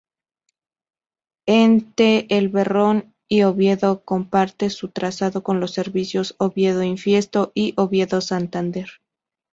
Ente El Berrón y Oviedo comparte su trazado con los servicios Oviedo-Infiesto y Oviedo-Santander.